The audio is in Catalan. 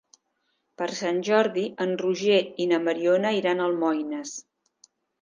Per Sant Jordi en Roger i na Mariona iran a Almoines.